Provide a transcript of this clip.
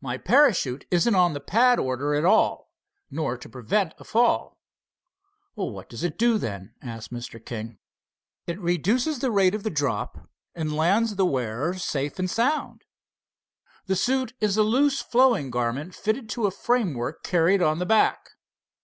My parachute isn't on the pad order at all, nor to prevent a fall." "What does it do, then?" asked Mr. King. "It reduces the rate of the drop and lands the wearer safe and sound. The suit is a loose flowing garment fitted to a framework carried on the back.